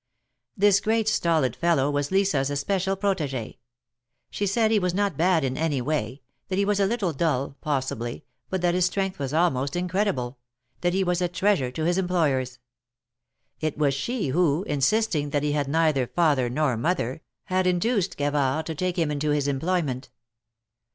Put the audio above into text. This great stolid fellow was Lisa^s especial prot%^. She said he was not bad in any way ; that he was a little dull, possibly, but that his strength was almost incredible; that he was a treasure to his employers. It was she who, insisting that he had neither father nor mother, had induced Gavard to take him into his employment.